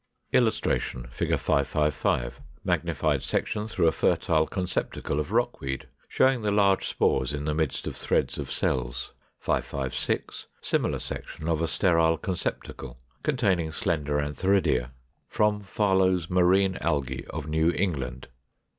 [Illustration: Fig. 555. Magnified section through a fertile conceptacle of Rockweed, showing the large spores in the midst of threads of cells. 556. Similar section of a sterile conceptacle, containing slender antheridia. From Farlow's "Marine Algæ of New England."